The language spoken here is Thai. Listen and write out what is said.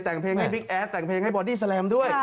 แต่งเพลงให้บิ๊กแอดแต่งเพลงให้บอดี้แลมด้วย